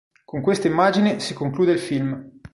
Con questa immagine si conclude il film.